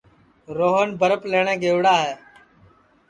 روہن برپھ لئوٹؔے گئوڑا ہے